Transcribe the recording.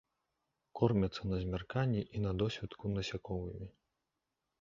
Кормяцца на змярканні і на досвітку насякомымі.